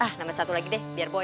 ah nambah satu lagi deh biar boy boy